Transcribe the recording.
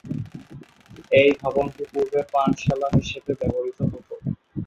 এই ভবনটি পূর্বে পানশালা হিসেবে ব্যবহৃত হত।